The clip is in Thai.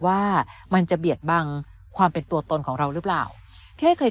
ว่ามันจะเบียดบังความเป็นตัวตนของเราหรือเปล่าพี่อ้อยเคย